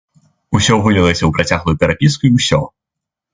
Усё вылілася ў працяглую перапіску і ўсё.